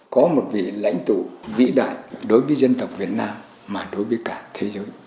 có một vị lãnh tụ vĩ đại đối với dân tộc việt nam mà đối với cả thế giới